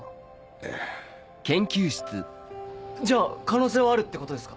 ええ。じゃあ可能性はあるってことですか？